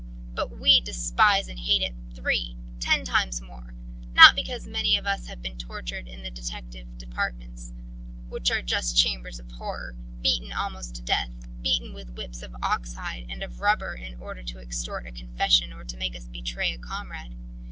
But we despise and hate it three, ten times more not because many of us have been tortured in the detective departments, which are just chambers of horror, beaten almost to death, beaten with whips of ox hide and of rubber in order to extort a confession or to make us betray a comrade.